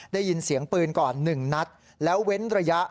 ได้ยินเสียงปืนก่อน๑นัดแล้วเว้นระยะ